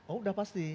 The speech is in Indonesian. oh sudah pasti